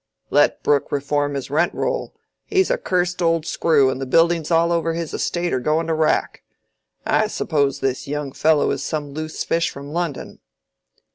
"Let Brooke reform his rent roll. He's a cursed old screw, and the buildings all over his estate are going to rack. I suppose this young fellow is some loose fish from London."